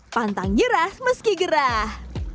pantang nyerah meski gerah